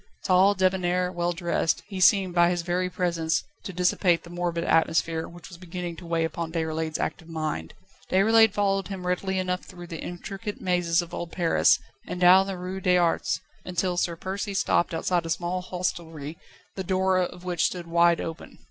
Tall, débonnair, well dressed, he seemed by his very presence to dissipate the morbid atmosphere which was beginning to weigh upon Déroulède's active mind. Déroulède followed him readily enough through the intricate mazes of old Paris, and down the Rue des Arts, until Sir Percy stopped outside a small hostelry, the door of which stood wide open.